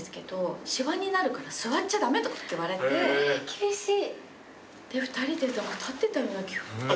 厳しい！